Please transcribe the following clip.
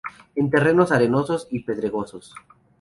En terrenos arenosos y pedregosos.